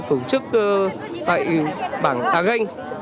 tổ chức tại bảng đà ganh